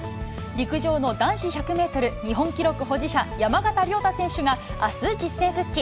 陸上の男子１００メートル日本記録保持者、山縣亮太選手が、あす、実戦復帰。